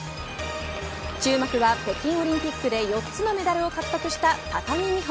注目は北京オリンピックで４つのメダルを獲得した高木美帆。